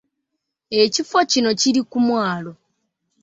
Ekifo kino kiri ku mwalo.